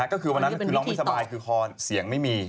ก็คือวันนั้นมีเสียงไม่มี